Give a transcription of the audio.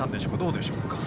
どうでしょうか。